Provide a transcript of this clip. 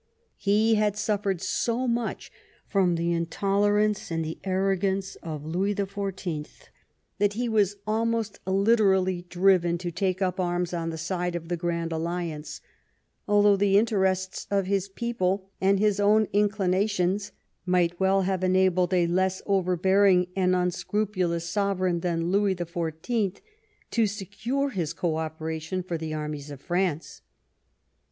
He had suffered so much from the intolerance and the arrogance of Louis the Fourteenth that he was almost literally driven to take up arms on the side of the Grand Alliance, although the interests of his people and his own inclinations might well have enabled a less overbearing and tmscrupulous sovereign than Lours the Fourteenth to secure his co operation for the armies of France.